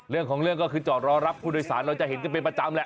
เรื่องของเรื่องก็คือจอดรอรับผู้โดยสารเราจะเห็นกันเป็นประจำแหละ